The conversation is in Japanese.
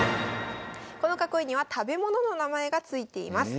この囲いには食べ物の名前が付いています。